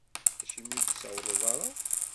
Acimi ur d-tsawleḍ ara?